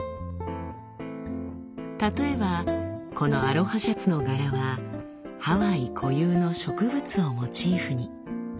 例えばこのアロハシャツの柄はハワイ固有の植物をモチーフに。